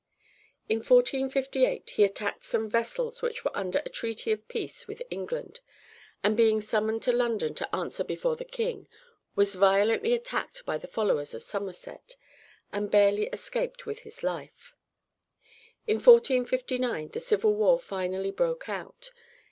In 1458 he attacked some vessels which were under a treaty of peace with England, and being summoned to London to answer before the king, was violently attacked by the followers of Somerset and barely escaped with his life. In 1459 the civil war finally broke out.